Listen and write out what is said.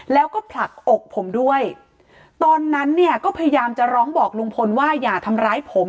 แล้วก็ผลักอกผมด้วยตอนนั้นเนี่ยก็พยายามจะร้องบอกลุงพลว่าอย่าทำร้ายผม